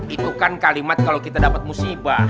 itu kan kalimat kalau kita dapat musibah